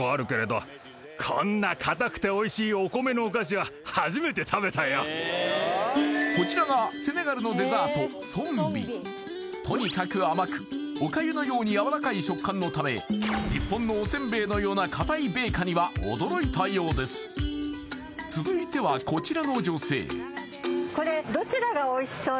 へえっけれどこちらがセネガルのデザートとにかく甘くおかゆのように柔らかい食感のため日本のおせんべいのような硬い米菓には驚いたようです続いてはこちらの女性